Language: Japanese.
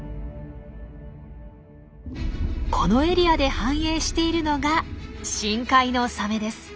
このエリアで繁栄しているのが深海のサメです。